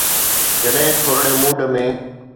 جڏهن ٿورڙي موڊ ۾.